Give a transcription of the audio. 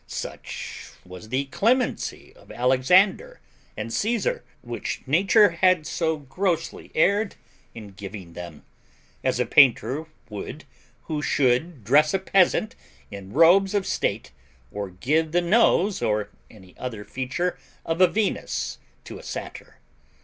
Such was the clemency of Alexander and Caesar, which nature had so grossly erred in giving them, as a painter would who should dress a peasant in robes of state or give the nose or any other feature of a Venus to a satyr.